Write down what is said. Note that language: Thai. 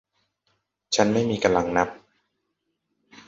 ฉันไม่มีกำลังนับ